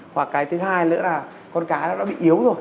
và cái thứ hai nữa là con cá nó đã bị yếu rồi